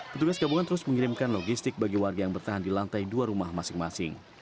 petugas gabungan terus mengirimkan logistik bagi warga yang bertahan di lantai dua rumah masing masing